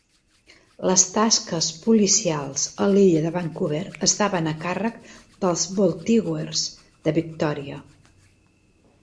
Les tasques policials a l'illa de Vancouver estaven a càrrec dels "Voltigeurs" de Victòria.